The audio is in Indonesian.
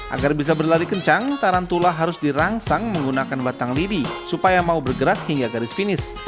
agar bisa berlari kencang tarantula harus dirangsang menggunakan batang lidi supaya mau bergerak hingga garis finish